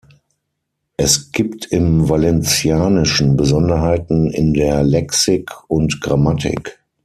Es gibt im Valencianischen Besonderheiten in der Lexik und Grammatik.